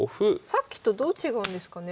さっきとどう違うんですかね